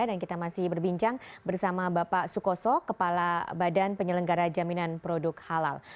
dan kita masih berbincang bersama bapak sukoso kepala badan penyelenggara jaminan produk halal